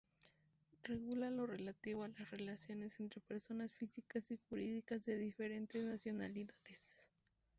Regula lo relativo a las relaciones entre personas físicas y jurídicas de diferentes nacionalidades.